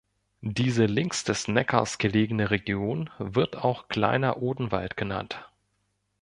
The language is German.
Diese links des Neckars gelegene Region wird auch Kleiner Odenwald genannt.